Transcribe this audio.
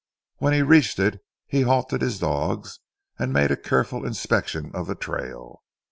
When he reached it he halted his dogs and made a careful inspection of the trail.